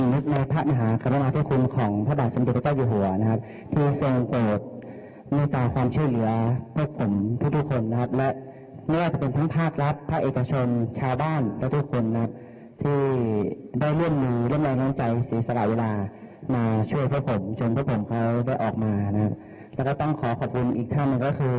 และอีกท่างหนึ่งก็คือเเจริย์แซม